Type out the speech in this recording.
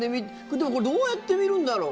でも、これどうやって見るんだろう？